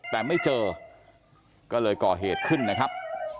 แต่ไม่เจอก็เลยก่อเหตุขึ้นนะครับ